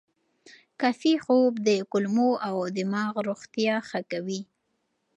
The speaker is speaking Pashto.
کافي خوب د کولمو او دماغ روغتیا ښه کوي.